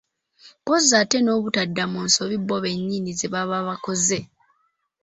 Mpozzi ate nobutadda mu nsobi bo bennyini ze baba bakoze.